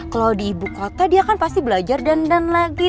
kalau di ibu kota dia kan pasti belajar dendan lagi